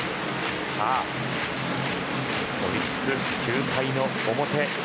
オリックス、９回の表。